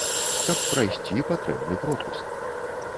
Каб прайсці, патрэбны пропуск.